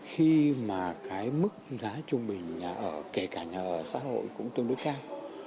khi mà cái mức giá trung bình nhà ở kể cả nhà ở xã hội cũng tương đối cao